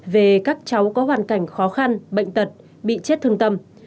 về các cháu có hoàn cảnh khó khăn bệnh tật bị chết thương tâm